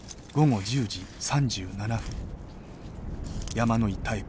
山野井妙子